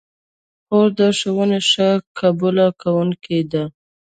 خور د ښوونو ښه قبوله کوونکې ده.